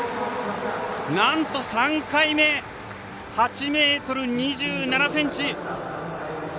なんと３回目８ｍ２７ｃｍ。